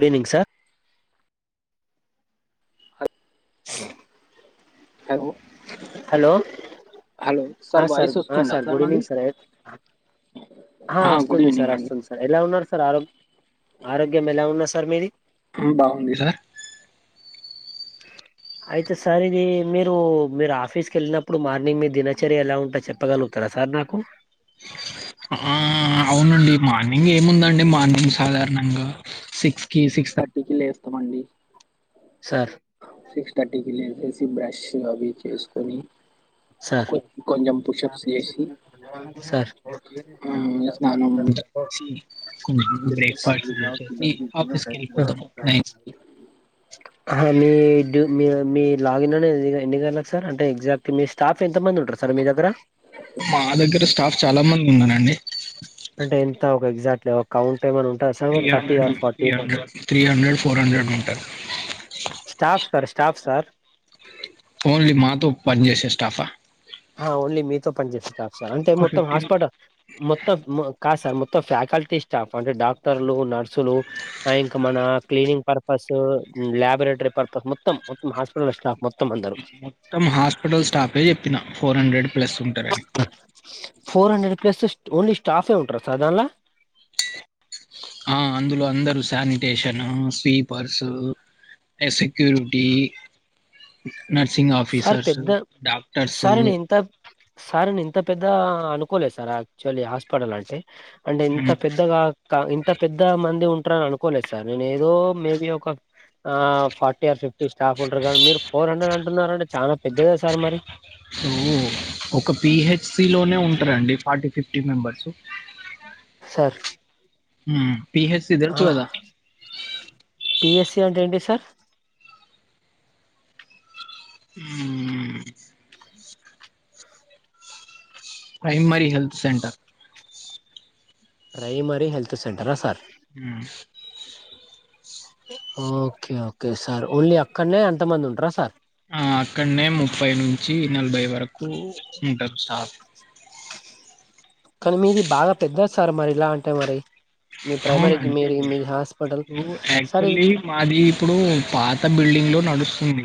Good evening sir. హ. Hello అగో hello ఆ సార్ వాయిస్ ఆ వస్తుందా సార్ గుడ్ మంది ఈవెనింగ్ సార్ ఆ గుడ్ వస్తుంది సార్ ఈవినింగ్ అండి వస్తుంది సార్ ఎలా ఉన్నారు సార్ ఆరో ఆరోగ్యం ఎలా ఉన్నాది సార్ మీది ఉమ్ బాగుంది సార్ అయితే సార్ ఇది మీరు మీరు ఆఫీస్‌కి ఎళ్ళినప్పుడు మార్నింగ్ మీ దినచర్య ఎలా ఉంట చె ప్పగలుగుతారా సార్ నాకు ఆ అవునండి మార్నింగ్ ఏముందండి మార్నింగ్ సాధారణంగా సిక్స్‌కి సిక్స్ థర్టీ‌కి లేస్తామండి సార్ సిక్స్ థర్టీకిి లేచేసి బ్రష్ అవి చేసుకొని సార్ కొ- కొంచెం పుషప్స్ చేసి సార్ స కొంచము బ్రేక్ ఫాస్ట్ చేసేసి ఆఫీస్‌కి ఎళ్ళిపోతాము నైన్ కి ఆహా మీ డ్యు మీ మీ లాగిన్ అనేది ఎన్ని గంటలకి సార్ అంటే ఎగ్జాక్ట్ మీ స్టాఫ్ ఎంత మంది ఉంటారు సార్ మీ దగ్గర మా దగ్గర స్టాఫ్ చాలా మంది ఉన్నారండి అంటే ఎంత ఒక ఎగ్జాక్ట్లీ ఒక కౌంట్ ఏమన్నా ఉంటాదా sir three oh thirty hundred or three forty hundred three hundred four hundred ఉంటారు staff sir staff sir only మాతో పనిచేసే స్టాఫా ఆ ఓన్లీ మీతో పని చేేస్తే స్టాఫ్ సార్ అంటే ఒక మొత్తం ఫిఫ్టీన్ హాస్పిట మొత్తం ము కాదు సార్ మొత్తం ఫ్యాకల్టీ స్టాఫ్ అంటే డాక్టర్లు నర్సులు ఇంకా మన క్లీనింగ్ పర్పస్ ల్యాబరేటరీ పర్పస్ మొత్తం మొత్తం హాస్పిటల్ స్టాఫ్ మొత్తం అందరు మొత్తం హాస్పిటల్ స్టాఫే చెప్పిన ఫోర్ హండ్రెడ్ ప్లస్ ఉంటారని ఫోర్ హండ్రెడ్ ప్లస్ ఓన్లీ స్టాఫే ఉంటారా సార్ దాన్లా ఆ అందులో అందరూ శానిటేషన్ స్వీపర్స్ ఎ సెక్యూరిటీ నర్సింగ్ సార్ ఆఫీసర్సు పెద్ద డాక్టర్సు సార్ నేను ఇంత సార్ నే ఇంత పెద్ద అనుకోలేదు సార్ యాక్చువల్లీ హాస్పిటల్ అంటే అంటే ఇంత పెద్దగాక ఇంత పెద్ద మంది ఉంటారని అనుకోలేదు సార్ నేను ఏదో మేబి ఒక ఆ ఫార్టీ ఆర్ ఫిఫ్టీ స్టాఫ్ ఉంటారు కానీ మీరు ఫోర్ హండ్రెడ్ అంటున్నారంటే చానా పెద్దదే సార్ మరి సో ఒక పీహెచ్‌సిలోనే ఉంటారండి forty fifty members sir um PH ఆ పిఎస్‌సి అంటే ఏంటి sir um primary health centre primary health సెంటరా sir um okay okay sir only అక్కడ్నే అంతమంది ఉంటారా సార్ ఆ అక్కడ్నే ముప్పై నుంచి నలభై వరకు ఉంటారు స్టా కానీ మీది బాగా పెద్దది సార్ మరి ఇలా అంటే మరి మీ ప్రైమరీకి మీది అవునండి మీది హాస్పిటల్ సార్ ఇది యాక్చువల్లీ మాది ఇప్పుడు పాత బిల్డింగ్లో నడుస్తుంది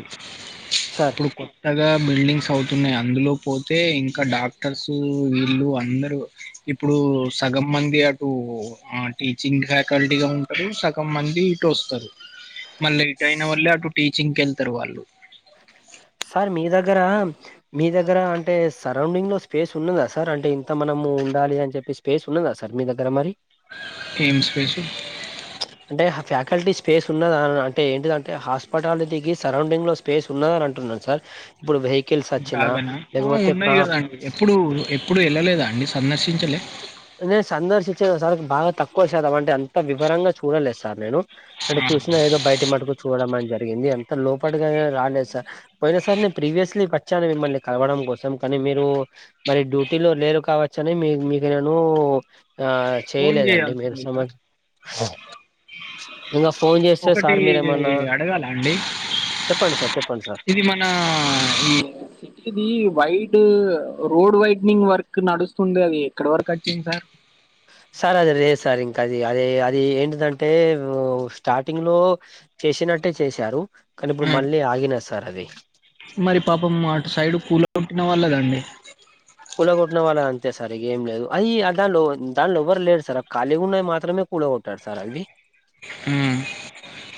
సార్ ఇప్పుడు కొ త్తగ బిల్డింగ్స్ అవుతున్నాయి అందులో పోతే ఇంకా డాక్టర్స్ వీళ్ళు అందరు ఇప్పుడు సగం మంది అటు ఆ టీచింగ్ ఫ్యాకల్టీగ ఉంటారు సగం మంది ఇటు వస్తరు మళ్ళ [unintelligible] అయిన వల్లే అటు టీచింగ్ వెళ్తారు వాళ్ళు సార్ మీ దగ్గర మీ దగ్గర అంటే సరౌండింగ్ లో స్పేస్ ఉన్నద సార్ అంటే ఇంత మనము ఉండాలి అని చెప్పేస్ [unintelligible] స్ ఉన్నాద సార్ మీ దగ్గర మరి ఎం స్పేసు అంటే ఫ్యాకల్టీ స్పేస్ ఉన్నద అంటే ఏంటిదంటె హాస్పిటాలిటీకి సరౌండింగ్ లో స్పేస్ ఉన్నదని అంటున్నాను సార్ ఇప్పుడు వెహికిల్ ఆ ఉన్నాయి కదండి ఎప్పుడు ఎప్పుడు వెళ్ళలేద అండి సందర్శించలే నేను సందర్శించలే సార్ బాగ తక్కువ సార్ అవంటే అంత వివరంగా చూడలేదు సార్ నేను అంటే ఆహా! చూసిన ఏదో బయట మటుకు చూడడం అని జరిగింది ఎంత లోపటగానే రాలేదు సార్ పోయిన సారి నేను ప్రీవియస్లీ వచ్చాను మిమ్మల్ని కలవడం కోసం కానీ మీరు మరి డ్యూటీలో లేరు కావచ్చ అని మీ మీకు నేను ఆ ఫోను చేయలేదండి మీరు జేయాల్సింది సార్. [unintelligible] ఇంగ ఫోన్ చేస్తే ఒకటి సార్ మీరేమన్న అడగాలా అండి? ఆ ఇది వైడ్ రోడ్ వైడ్నింగ్ వర్క్ నడుస్తుంది అది ఎక్కడ వర్క్ వచ్చింది సార్ సార్ అది లేదు సార్ ఇంక అది అది అదిఏంటీదంటే స్టార్టింగ్ లో చేసినట్టే చేశారు కానీ ఇప్పుడు మళ్ళీ ఆగిన సార్ అది మరి పాపం అటు సైడ్ [unintelligible] పట్టిన వాళ్ళదండి కూల కొట్టిన వాళ్ళ అంతే సార్ ఇగ ఏం లేదు అది దానిలో దానిలో ఎవరు లేదు సార్ ఆ ఖాళీ ఉన్నయి మాత్రమే కూళ కొట్టాడు సార్ అవ్వి హు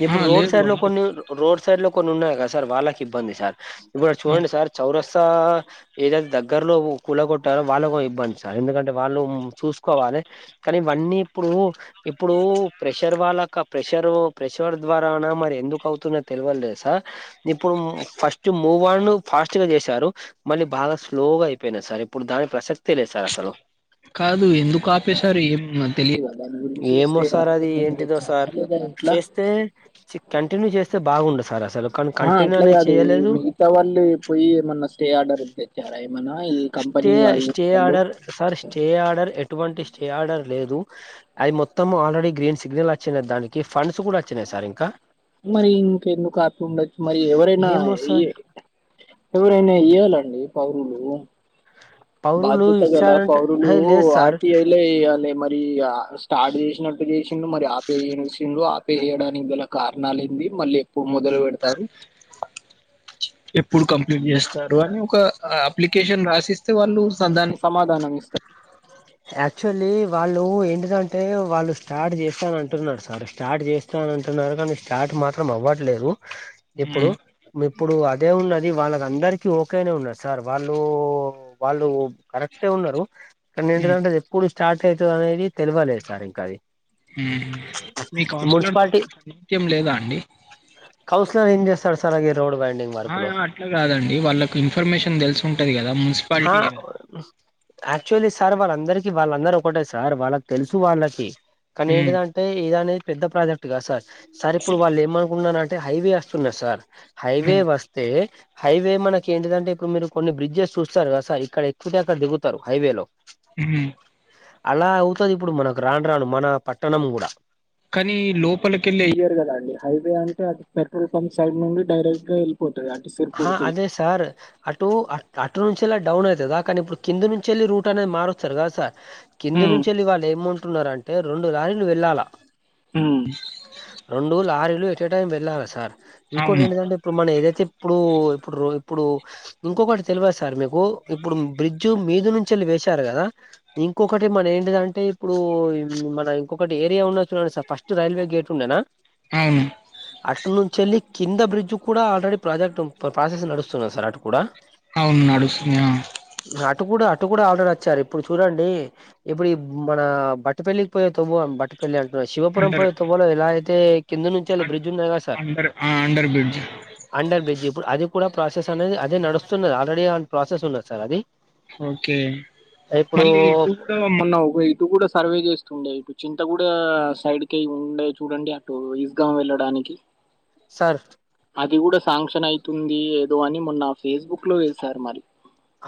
ఇప్పుడు రోడ్ సైడ్ లో కొన్ని రోడ్ సైడ్ లో కొన్ని ఉన్నాయి కదా సార్ వాళ్ళకి ఇబ్బంది సార్ ఇప్పుడు అటు చూడండి సార్ చౌరస ఏదైతే దగ్గర్లో కూల కొట్టారో వాళ్ళ ఇబ్బంది సార్ ఎందుకంటే వాళ్ళు చూసుకోవాలి కానీ ఇవన్నీ ఇప్పుడు ఇప్పుడు ప్రెషర్ వాళ్ళక ప్రెషర్ ప్రెషర్ ద్వారన మరి ఎందుకు అవుతున్నో తెలివలే సార్ ఇప్పుడు ఫస్ట్ మూవ్ [unintelligible] ఫాస్ట్ గా చేశారు మళ్ళీ బాగ స్లోగ [unintelligible] సార్ ఇప్పుడు దాని ప్రసక్తే లేదు సార్ అసలు కాదు ఎందుకు ఆపేశారు ఏం తెలియద దాని గురించి ఏమో సార్ అది ఏంటిదో సార్ [unintelligible] [unintelligible] [unintelligible] కంటిన్యూ చేస్తే బాగుండు సార్ అసలు కానీ ఆ కంటిన్యూ అట్లా అనేది కాదు చేయలేదు [unintelligible] వాళ్ళు పోయి ఏమన్నా స్టే ఆర్డర్ తెచ్చారా ఏమన్నా ఈ కంపెనీ స్టే వాళ్ళు స్టే వాళ్ళు ఆర్డర్ సార్ స్టే ఆర్డర్ ఎటువంటి స్టే ఆర్డర్ లేదు అది మొత్తము ఆల్రెడీ గ్రీన్ సిగ్నల్ వచ్చినాయి దానికి ఫండ్స్ కూడ వచ్చినాయి సార్ ఇంక మరి ఇంకెందుకు ఆపి ఉండొచ్చు మరి ఎవరైనా ఏమో ఏ సార్ ఎవరైనా ఇయ్యాలండి [unintelligible] పౌరులు బాధ్యత గల ఇచ్చారంటే పౌరులు అహే, లేదు సార్ ఆర్టీఐలే ఎయ్యాలి మరి స్టార్ట్ జేసినట్టు చేసిండు మరి ఆ పోయేసిర్రూ ఆపేయడానికి గల కారణాలేంది, మళ్ళీ ఎప్పుడు మొదలు పెడతారు? ఎప్పుడు కంప్లీట్ చేస్తారు అని ఒక అప్లికేషన్ రాసిస్ తే వాళ్ళు సం దానికి సమాధానం ఇస్తా యాక్చువల్లీ వాళ్ళు ఏంటిదంటే వాళ్ళు స్టార్ట్ చేస్తాన్నంటున్నారు సార్, స్టార్ట్ చేస్ త అంటున్నారు గని స్టార్ట్ మాత్రం అవ్వట్లేదు ఇప్పుడు మ్మ్ ను ఇప్పుడు అదే ఉన్నది వాళ్ళకందరికి ఓకేనే ఉన్నది సార్ వాళ్ళు వాళ్ళు కరెక్టే ఉన్నరు. అక్కడ మ్మ్ ఏంటిదంటె అది ఎప్పుడు స్టార్ట్ అయితుదో అనేది తెలివలేదు సార్ ఇంకా అది ఉమ్ మీ కౌన్సిలర్ తోటి మున్సిపాలిటీ మీకు కుత్యం లేదా అండి కౌన్సర్ ఏం చేస్తడ్ ఈ రోడ్ బైండింగ్ వర్క్ ఆ లో ఇగ అట్ల కాదండి వాళ్ళకి ఇన్ఫర్మేషన్ తెలిసి ఉంటది కదా హా మున్సిపాలిటీయే కదా యాక్చువల్లీ సార్ వాళ్ళందరికి వాళ్ళందరు ఒకటే సార్, వాళ్ళకి తెలుసు వాళ్ళకి. కానీ మ్మ్ ఏంటిదం అంటే ఇది అనేది పెద్ద ప్రాజెక్ట్గా సార్, సర్ ఇప్పుడు వాళ్ళు ఏమనుకున్నరంటే హైవే అస్తున్నది సార్. హైవే మ్మ్ వస్తే హైవే మనకి ఏంటిదంటే ఇప్పుడు మీరు కొన్ని బ్రిడ్జెస్ చూస్తారు కద సార్, ఇక్కడ ఎక్కినాక దిగుతారు హైవేలో. హ్మ్ అలా అవుతది ఇప్పుడు మనకు రాను రాను మన పట్టణం గుడ కనీ లోపలికెళ్ళి ఇవ్వరు కదా అండి, హైవే అంటే అది పెట్రోల్ పంప్ సైడ్ నుండి డైరెక్ట్ గా ఎల్ పోటది కాబట్టి సిర్పూర్ ఆహా కేయి అదే సార్ అటు అ అటు నుంచ్చేల్లి డౌన్ అయితదా కనీ ఇప్పుడు కింద నుంచెళ్ళి రూట్ అనేది మారుస్తారు కదా సార్. కింది హ్మ్ నుంచెళ్లి వాళ్ళు ఏమంటున్నారంటే రెండు లారీలు వెళ్ళాలా. ఉమ్ రెండు లారీలు ఎటెటో అని వెళ్ళాలా సార్, ఇంకోటి అవును ఎంటిదంటే ఇప్పుడు మనం ఏదైతే ఇప్పుడు ఇప్పుడు రో ఇప్పుడు ఇంకొకటి తెలివద్ సార్ మీకు, ఇప్పుడు బ్రిడ్జు మీద నుంచెళ్ళి వేశారు కదా. ఇంకొకటి మన ఏంటిదంటే ఇప్పుడు, ఇం మన ఇంకొకటి ఏరియా ఉన్నది చూడండి సార్ ఫస్ట్ ట్ రైల్వే గేట్ ఉండేనా, అవును అట్ నుంచెళ్ళి కింద బ్రిడ్జ్ కూడ ఆల్రెడీ ప్రాజెక్ట్ ను ప్ర ప్రాసెస్ నడుస్తున్నాది సార్ అటు గుడ అవును నడుస్తుంది ఆ అటు గుడ అటు గుడ ఆల్రెడీ వచ్చారు, ఇప్పుడు చూడండి ఇప్పుడు ఈ మన బట్టపెల్లికి పోయే కే మన బట్ట పెళ్ళి అంటున్నారు శిపురం పురం అండర్ పోయే తొవ్వలో ఎలా అయితే కింద నుంచెళ్లే అన్ బ్రిడ్జ్ ఉన్నది కదా సార్ అండర్ ఆ అండర్ బ్రిడ్జ్ అండర్ బ్రిడ్జ్ ఇప్పుడు అది కూడ ప్రాసెస్ అనేది అదే నడుస్తున్నది, ఆల్రెడీ ఆ ప్రాసెస్ ఉన్నది సార్ అది ఓకే ఇప్పుడు మళ్లి ఇప్పుడు మొన్న ఒక ఇటు కూడ సర్వే చేస్తుండే ఇప్పుడు చింతగుడ సైడ్ కెయ్ ఉండే చూడండి అ ఇటు ఈజ్ గామ్ వెళ్ళడానికి సార్ అది గుడ శాంక్షన్ అయితుంది ఏదో అని మొన్న ఫేస్బుక్ లో వేసారు మరి.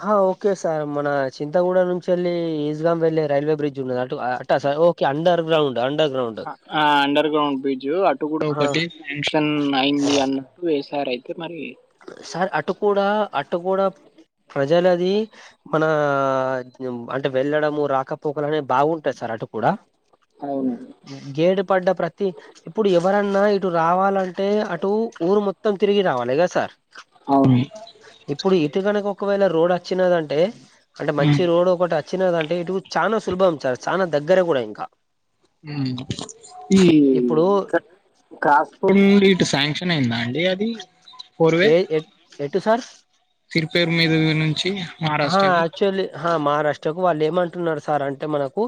హా ఓకే సార్ మన చింతగూడ నుంచెళ్లి ఈజ్ గామ్ వెళ్లే రైల్వే బ్రిడ్జ్ ఉన్నది అటు ఆ ట sir okay underground underground అ ఆ అండర్ గ్రౌండ్ బ్రిడ్జ్ అటు గుడ ఒకటి స్టేషన్ అయింది అన్న వెయ్యి సారయితే మరి సార్ అటు కూడా అటు కూడా ప్రజలది, మన అంటే వెళ్ళడము రాకపోకలు అనే బాగుంటాయి సార్ అటు కూడా, అరావును గేడు పడ్డ ప్రతి, ఇప్పుడు ఎవరన్నా ఇటు రావాలంటే అటు ఊరు మొత్తం తిరిగి రావాలిగా సార్ అవునుమీ, ఇప్పుడు ఇటు కనుక ఒకవేళ రోడ్ వచ్చినదంటే అంటే ఉమ్. మంచి రోడ్ ఒకటి, చిన్నంటే ఇటు చాలా సులభం చారు చాలా దగ్గరే కూడా ఇంకా, [inaudible] ఇప్పుడు ఇంకా కాసుకోండి ఇటు శాంక్షన్ అయిందా అండి అది, పూర్వే ఏ ఎ- ఎటు సార్ తిరుపేరు మీద నుంచి ఆ, మహారాష్ట్రకు, యాక్చువల్లీ ఆ మహారాష్ట్రకు వాళ్ళు ఏమంటున్నారు సార్ అంటే మనకు,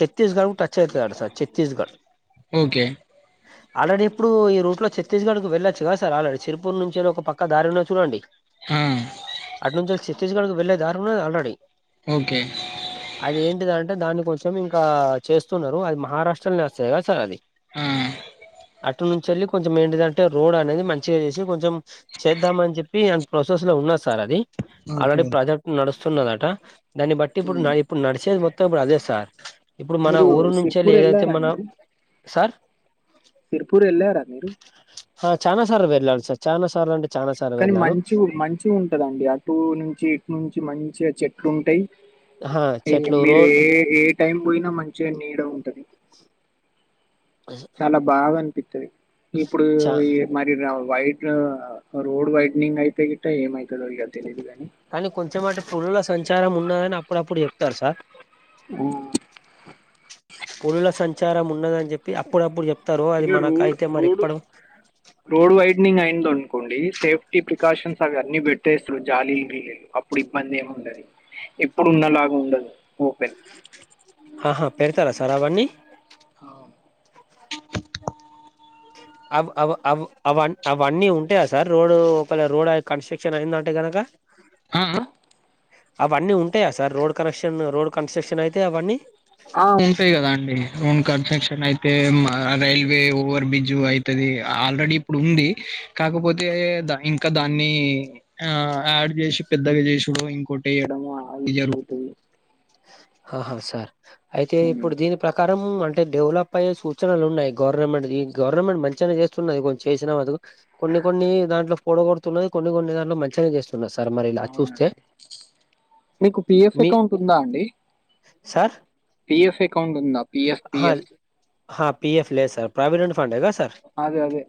ఛత్తీస్గడ్ టచ్ అవుతు సార్ ఛత్తీస్గడ్, ఓకే ఆల్రెడీ ఇప్పుడు ఈ రూట్ లో చతిస్గడ్కి వెళ్లచ్చు కద సార్ ఆల్రెడీ చిర్పూర్ నుంచి, తేరో ఒక పక్క దారి ఉన్నా చూడండి. హ్మ్ అటు నుంచి ఛత్తీస్గడ్కి వెళ్లేే దారే ఉన్నది ఆల్రెడీ, ఓకే అదేటిద అంటే దాన్ని కొంచెం ఇంకా చేస్తున్నారు అది మహారాష్ట్రలోనే వస్తాయి కదా సార్ అది, హ్మ్ అటు నుంచి వెళ్ళి కొంచెం ఏంటింటే రోడ్ అనేది మంచిగా చేసి కొంచెం. చేద్దామ అని చెప్పి అన్ ప్రొసెస్ లో ఉన్న సార్ అది, ఆల్రెడీ ఓకే ప్రాజెక్ట్ నడుస్తున్నదట దాన్ని బట్టి ఇప్పుడు న, ఉమ్. ఇప్పుడు నడిచేది మొత్తం ఇప్పుడు అదే సార్ ఇప్పుడు మన మీరు ఊరు నుంచేళ సిర్పూర్ ఏదైతే మన, వెళ్ళారండి సార్ సిరుపూర్ వెళ్ళారా మీరు, ఆ చానా సార్ వెర్ల అ సార్ చానా సార్ అంటే, చానా సార్లు కానీ వెళ్ళాను మంచి మంచి ఉంటదండి అటు నుంచి ఇటు నుంచి మంచిగా చెట్లు ఉంటాయి. చెట్లు మీరు రోడ్ ఏ ఏ టైం పోయినా మంచిగా నీడ ఉంటది. అ [inaudible] చాలా బాగా అనిపిస్తుది ఇప్పుడు చ ఈ, మరి వైడ్ రోడ్ వైడ్నింగ్ అయితే గిట్ట ఏమవుతుందో ఇక తెలీయదు కాగాని, కానీ కొంచెంమ అంటే పులల సంచారం ఉన్నదని అప్పుడప్పుడు చెప్తారు సార్, పులుల సంచారం ఉన్నదని చెప్పి అప్పుడప్పుడు చెప్తారు అది ఇగ రోడ్ మనకైతే మరి రోడ్ ఎప్పుడు, రోడ్ వైడ్నింగ్ అయింద అనుకోండి సేఫ్టీ ప్రికాషన్స్ అవి అన్ని పెట్టేస్తారు జాలీ నీబి లే, అప్పుడు ఇబ్బంది ఏమి ఉండదు ఎప్పుడు ఉన్నలాగా ఉండదు ఓపెన్, అహ పెడతారా సార్ అవన్నీ, అవు, అ అవ అవన్నీ ఉంటాయా సార్ రోడ్ ఒక రోడ్ కన్స్ట్రక్షన్, శక్షణ ఏందంటే కనుక, ఆ అవన్నీ ఉంటాయా sir road connection road construction అయితే అవన్నీ, ఆ ఉంటాయి కదా అండి రోన్ కన్స్ట్రక్షన్ అయితే రైల్వే ఓవర్ బ్రిడ్జ్ అయితే, అది ఆల్రెడీ ఇప్పుడు ఉంది కాకపోతే ద ఇంకా దాన్ని, ఆ యాడ్ చేసి పెద్దగా చేసుడు ఇంకోటి వేయడం అది జరుగుతది ఆహా సార్ అయితే ఉమ్. ఇప్పుడు దీని ప్రకారం అంటే డెవలప్ అయ్యే సూచనలు ఉన్నాయి గవర్నమెంట్ ఈ గవర్నమెంట్ మంచిగనే చేస్తున్నది కొంచెం చేసిన మదుగు కొన్ని కొన్ని దాంట్లో పోడ కొతున్నది కొన్ని కొన్ని దాంట్లో మంచిగానే చేస్తు తున్నది సర్ మరి ఇలా చూస్తే అవునండి మీ తుందా అండి సార్ పిఎఫ్ అకౌంట్ ఉందా పిఎఫ్ హా పిఎఫ్ హా పి ఎఫ్ లేదు సార్ ప్రావిడెట్ ఫండ్ ఏ గా సార్ అదే అదే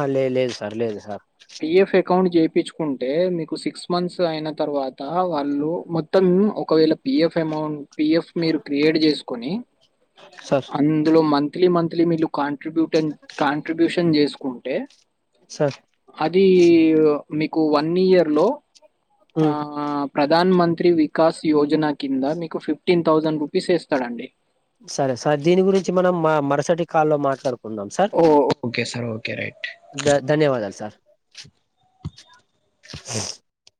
ఆ లేదు లేదు సార్ లేదు సార్ పిఎఫ్ అకౌంట్ చేయించుకుంటే మీకు సిక్స్ మంత్స్ అయిన తర్వాత వాళ్ళు మో త్తం ఒకవేళ పిఎఫ్ అమౌంట్ పిఫ్ మీరు క్రియేట్ చేసుకుని సార్ అందులో మంత్లీ మంత్లీ మీలు కాంట్రిబ్యూటన్ కాంట్రిబ్యూషన్ చేసుకుంటే సార్ అది మీకు వన్ ఇయర్ లో ఆ ఉమ్, ప్రధాన్ మంత్రి వికాస్ యోజన కింద మీకు ఫిఫ్టీన్ థౌజండ్ రూపీస్ వేస్తాడు అండి సరే సార్ దీని గురించి మనం మా మరుసటి కాల్ లో మాట్లాడుకుం కుందాం sir oh! Okay sir. Okay. Right. ధ ధన్యవాదాలు సార్